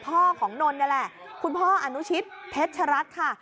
พ่อของนนท์นี่แหละคุณพ่ออนุชิตเพชรัตน์ค่ะ